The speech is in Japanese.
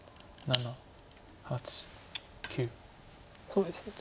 そうですね。